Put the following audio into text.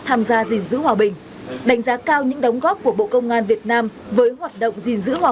tham gia gìn giữ hòa bình đánh giá cao những đóng góp của bộ công an việt nam với hoạt động gìn giữ hòa